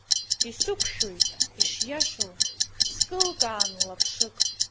Исықәшәоит, ишиашоу, скылкаан лаԥшык.